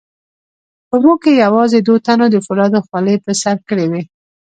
په موږ کې یوازې دوو تنو د فولادو خولۍ په سر کړې وې.